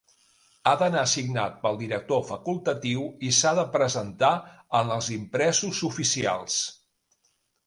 Ha d'anar signat pel director facultatiu i s'ha de presentar en els impresos oficials.